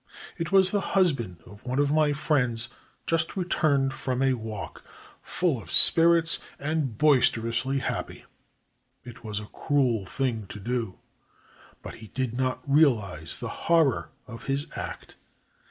It was the husband of one of my friends just returned from a walk, full of spirits and boisterously happy. It was a cruel thing to do ; but he did not realize the horror of his act.